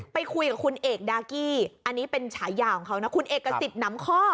ไปคุยกับคุณเอกดากี้อันนี้เป็นฉายาของเขานะคุณเอกสิทธิ์หนำข้อ